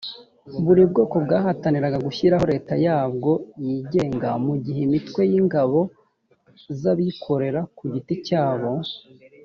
buri bwoko bwahataniraga gushyiraho leta yabwo yigenga mu gihe imitwe y’ingabo z’abikorera ku giti cyabo